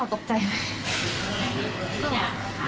เขาก็ออกมา๑๑โมง